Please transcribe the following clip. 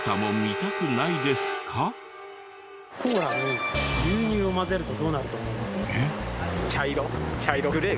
コーラに牛乳を混ぜるとどうなると思います？